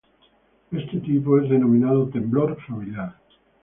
Este tipo es denominado temblor familiar.